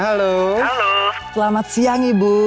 halo selamat siang ibu